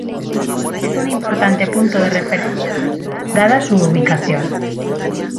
Es un importante punto de referencia de la ciudad dada su ubicación.